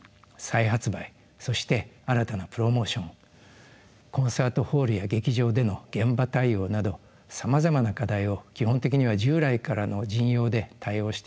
そして新たなプロモーションコンサートホールや劇場での現場対応などさまざまな課題を基本的には従来からの陣容で対応してきているのです。